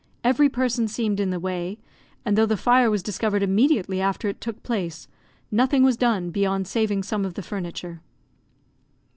Every person seemed in the way; and though the fire was discovered immediately after it took place, nothing was done beyond saving some of the furniture.